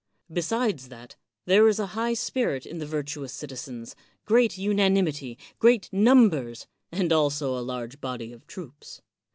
Besides that, there is a high spirit in the virtuous citizens, great unanimity, great numbers, and also a large body of troops.